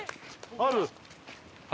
ある！